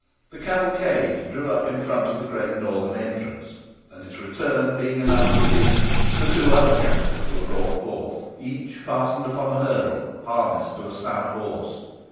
The cavalcade drew up in front of the great northern entrance; and its return being announced within, the two other captives were brought forth, each fastened upon a hurdle, harnessed to a stout horse.